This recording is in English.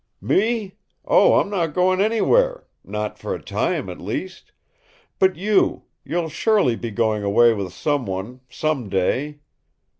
"Me? Oh, I'm not going anywhere not for a time, at least. But you you'll surely be going away with some one some day."